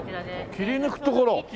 切り抜くところ？